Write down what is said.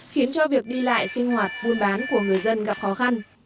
khiến cho việc đi lại sinh hoạt buôn bán của người dân gặp khó khăn